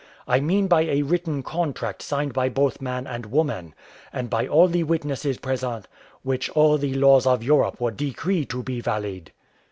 I mean by a written contract signed by both man and woman, and by all the witnesses present, which all the laws of Europe would decree to be valid."